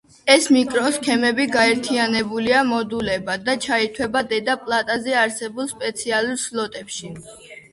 ეს მიკროსქემები გაერთიანებულია მოდულებად და ჩაირთვება დედა პლატაზე არსებულ სპეციალურ სლოტებში.